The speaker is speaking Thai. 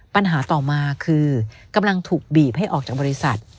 ปัญหาต่อมาคือกำลังถูกบีบให้ออกจากบริษัท